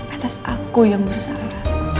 atas aku yang bersalah